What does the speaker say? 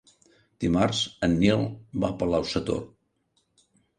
Dimarts en Nil va a Palau-sator.